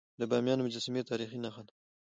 د بامیانو مجسمي د تاریخ نښه ده.